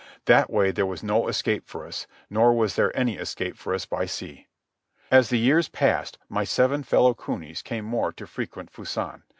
That way there was no escape for us, nor was there any escape for us by sea. As the years passed my seven fellow cunies came more to frequent Fusan.